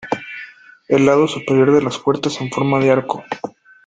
El lado superior de las puertas en en forma de arco.